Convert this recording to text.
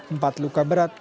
empat luka berat